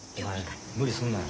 お前無理すんなよ。